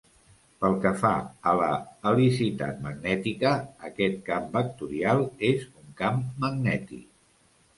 Pel que fa a la helicitat magnètica, aquest "camp vectorial" és un camp magnètic.